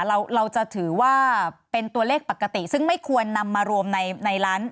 เราจะถือว่าเป็นตัวเลขปกติซึ่งไม่ควรนำมารวมในล้าน